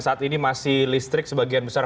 saat ini masih listrik sebagian besar